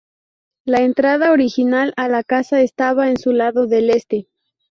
La entrada original a la casa estaba en su lado del este.